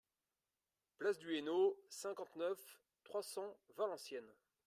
Place du Hainaut, cinquante-neuf, trois cents Valenciennes